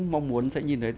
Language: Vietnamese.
mong muốn sẽ nhìn thấy